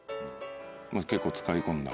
結構使い込んだ。